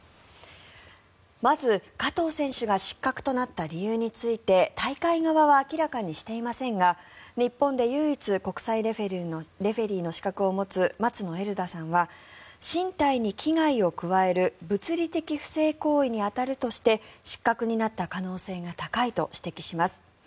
まず、加藤選手が失格となった理由について大会側は明らかにしていませんが日本で唯一国際レフェリーの資格を持つ松野えるださんは身体に危害を加える物理的不正行為に当たるとして失格になった可能性が高いと指摘します。